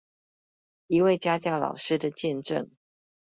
一位家教老師的見證